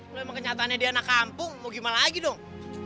kalau emang kenyataannya dia anak kampung mau gimana lagi dong